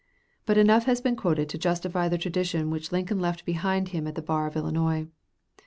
But enough has been quoted to justify the tradition which Lincoln left behind him at the bar of Illinois.